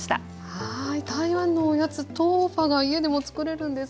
はい台湾のおやつ豆花が家でもつくれるんですね。